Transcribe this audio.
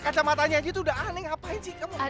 kacamatanya aja tuh udah aneh ngapain sih kamu